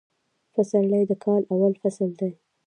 فسرلي د کال اول فصل دي